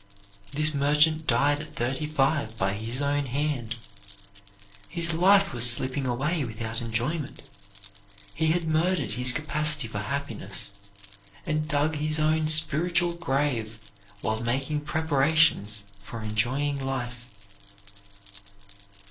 This merchant died at thirty five by his own hand. His life was slipping away without enjoyment. He had murdered his capacity for happiness, and dug his own spiritual grave while making preparations for enjoying life.